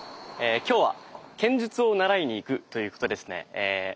今日は剣術を習いにいくということですね。